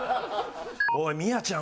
おいみやちゃん